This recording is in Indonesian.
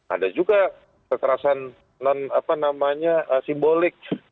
ada juga kekerasan simbolik